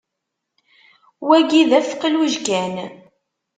Wagi d afeqluj kan.